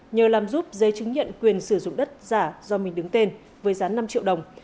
nhờ làm giúp giấy chứng nhận quyền sử dụng đất giả do mình đứng tên với giá năm triệu đồng